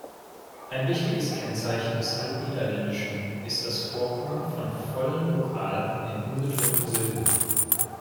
Ein wichtiges Kennzeichen des Altniederländischen ist das Vorkommen von vollen Vokalen in unbetonten Silben.